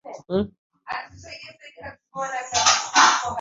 aina nyingine ni Kutoboa sehemu za siri